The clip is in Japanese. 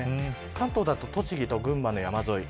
関東だと栃木や群馬の山沿い